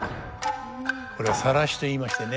これ「晒し」といいましてね